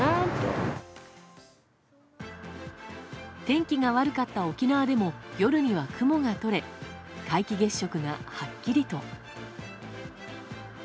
天気が悪かった沖縄でも夜には雲がとれ皆既月食が、はっきりと。